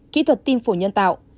kỹ thuật tim phổ nhân tạo